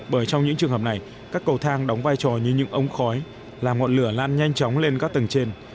bởi trong những trường hợp này các cầu thang đóng vai trò như những ống khói làm ngọn lửa lan nhanh chóng lên các tầng trên